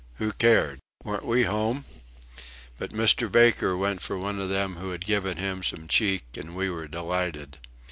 Who cared? Weren't we home! But Mr. Baker went for one of them who had given him some cheek, and we were delighted.